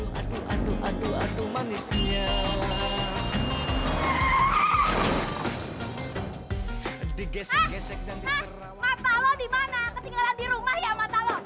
hah mata lo dimana ketinggalan di rumah ya mata lo